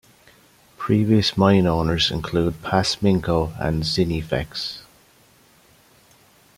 Previous mine owners include Pasminco and Zinifex.